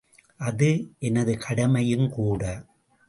அது எனது கடமையுங்கூட.